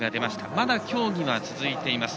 まだ競技は続いています。